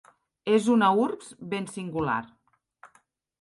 És una urbs ben singular.